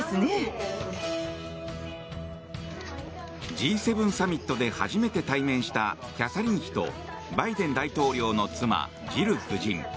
Ｇ７サミットで初めて対面したキャサリン妃とバイデン大統領の妻ジル夫人。